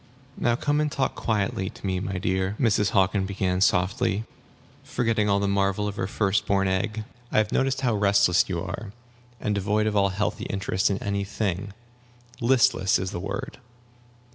"Now come and talk quietly to me, my dear," Mrs. Hockin began, most kindly, forgetting all the marvel of her first born egg. "I have noticed how restless you are, and devoid of all healthy interest in any thing. 'Listless' is the word.